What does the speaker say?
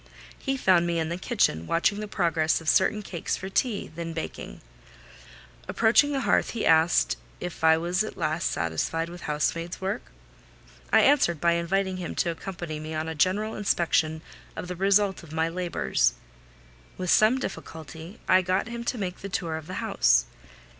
He found me in the kitchen, watching the progress of certain cakes for tea, then baking. Approaching the hearth, he asked, "If I was at last satisfied with housemaid's work?" I answered by inviting him to accompany me on a general inspection of the result of my labours. With some difficulty, I got him to make the tour of the house.